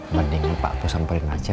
mending pak pos samperin aja